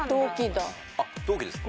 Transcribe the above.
同期ですか？